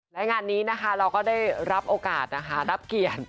และงานนี้นะคะเราก็ได้รับโอกาสนะคะรับเกียรติ